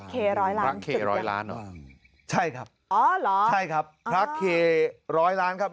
เขร้อยล้านจุดยังหลังจุดยังใช่ครับพระเขร้อยล้านครับ